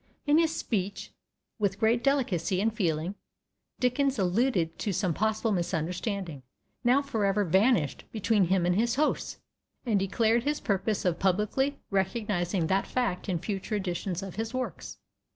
In his speech, with great delicacy and feeling, Dickens alluded to some possible misunderstanding, now forever vanished, between him and his hosts, and declared his purpose of publicly recognizing that fact in future editions of his works.